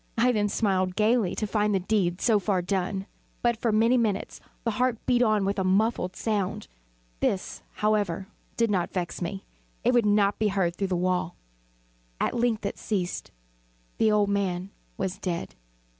I then smiled gaily, to find the deed so far done. But, for many minutes, the heart beat on with a muffled sound. This, however, did not vex me; it would not be heard through the wall. At length it ceased. The old man was dead.